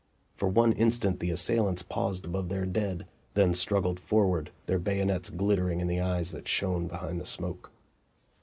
For one instant the assailants paused above their dead, then struggled forward, their bayonets glittering in the eyes that shone behind the smoke.